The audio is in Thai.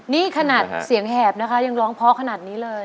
นี่ขนาดเสียงแหบนะคะยังร้องเพราะขนาดนี้เลย